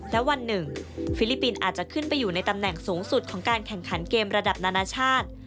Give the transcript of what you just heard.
และวันหนึ่งฟิลิปปินส์อาจจะขึ้นไปอยู่ในตำแหน่งสูงสุดของการแข่งขันเกมระดับนานาชาติ